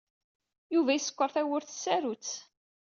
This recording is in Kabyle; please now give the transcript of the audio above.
Yuba yeskeṛ tawwurt s tsarut.